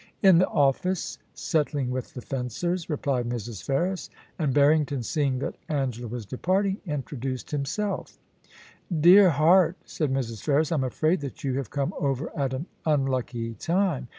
* In the office settling with the fencers,' replied Mrs. Ferris ; and Barrington, seeing that Angela was departing, introduced himself * Dear heart !' said Mrs. Ferris, * I'm afraid that you have come over at an unlucky time.